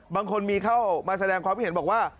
บางคนมีเข้ามาแสดงความคิดเห็นบอกว่า